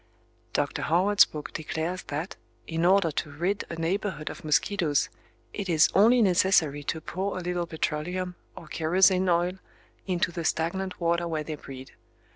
Dr. Howard's book declares that, in order to rid a neighborhood of mosquitoes, it is only necessary to pour a little petroleum, or kerosene oil, into the stagnant water where they breed.